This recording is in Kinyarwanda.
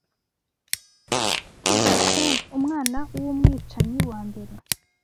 tubalcain umwana wumwicanyi wambere